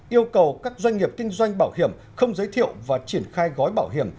yêu cầu các doanh nghiệp kinh doanh bảo hiểm không giới thiệu và triển khai gói bảo hiểm